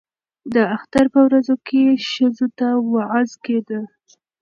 د اختر په ورځو کې ښځو ته وعظ کېده.